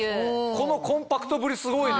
このコンパクトぶりすごいね。